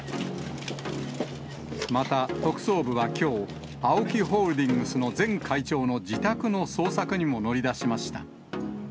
また、特捜部はきょう、ＡＯＫＩホールディングスの前会長の自宅の捜索にも乗り出しまし